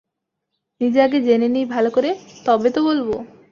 নিজে আগে জেনে নিই ভালো করে তবে তো বলব?